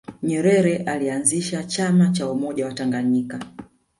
nyerere alianzisha chama cha umoja wa tanganyika